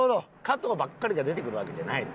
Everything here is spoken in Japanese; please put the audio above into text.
加藤ばっかりが出てくるわけじゃないです。